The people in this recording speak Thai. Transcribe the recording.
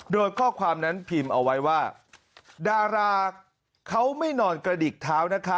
โดยข้อความนั้นพิมพ์เอาไว้ว่าดาราเขาไม่นอนกระดิกเท้านะคะ